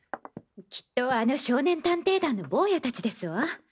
きっとあの少年探偵団のボウヤ達ですわ。